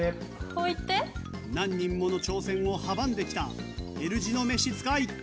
何人もの挑戦を阻んできたＬ字の召使い。